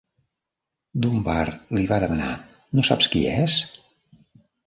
Dunbar li va demanar, No saps qui és?